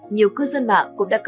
nhiều cư dân mạng cũng đã cố gắng